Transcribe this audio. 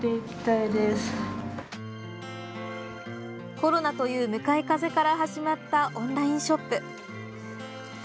コロナという向かい風から始まったオンラインショップ。